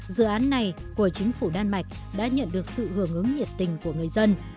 dự án này của chính phủ đan mạch đã nhận được sự hưởng ứng nhiệt tình của người dân